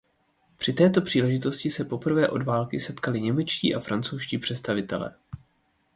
Při této příležitosti se poprvé od války setkali němečtí a francouzští představitelé.